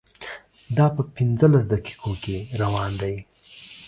دا په پنځلس دقیقو کې روان دی.